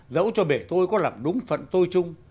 dẫu cho bể tôi có làm đúng phận tôi chung